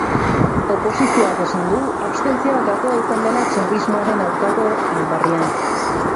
Oposizioak esan du abstentzioa gakoa izan dela chavismoaren aurkako aldarrian.